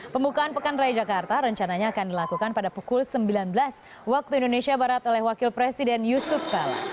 pembukaan pekan raya jakarta rencananya akan dilakukan pada pukul sembilan belas waktu indonesia barat oleh wakil presiden yusuf kala